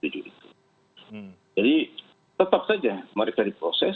jadi tetap saja mereka diproses